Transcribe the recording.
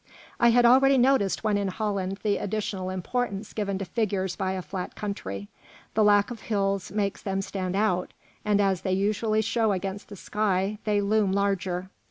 I had already noticed when in Holland the additional importance given to figures by a flat country; the lack of hills makes them stand out, and as they usually show against the sky they loom larger.